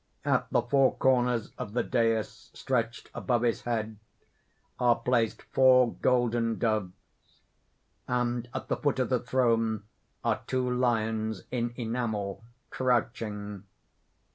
At the four corners of the dais stretched above his head are placed four golden doves; and at the foot of the throne are two lions in enamel crouching.